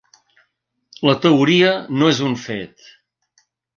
La teoria no és un fet.